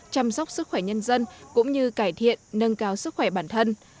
chăm sóc sức khỏe nhân dân cũng như cải thiện nâng cao sức khỏe bản thân